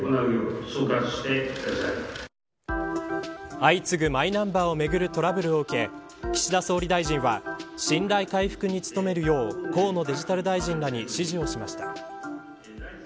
相次ぐマイナンバーをめぐるトラブルを受け岸田総理大臣は信頼回復に努めるよう河野デジタル大臣らに指示をしました。